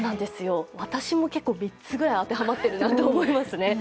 私も結構３つぐらい当てはまっているなと思います。